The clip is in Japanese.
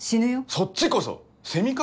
そっちこそセミか？